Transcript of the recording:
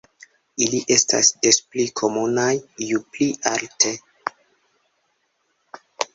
Ili estas des pli komunaj ju pli alte.